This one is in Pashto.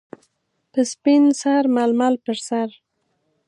- په سپین سر ململ پر سر.